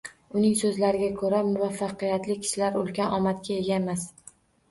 Uning so‘zlariga ko‘ra, muvaffaqiyatli kishilar ulkan omadga ega emas.